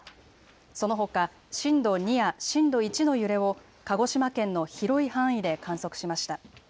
そのほか震度２や震度１の揺れを鹿児島県の広い範囲で観測しました。